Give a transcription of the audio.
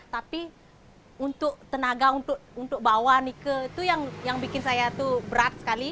tapi untuk tenaga untuk bawa nike itu yang bikin saya tuh berat sekali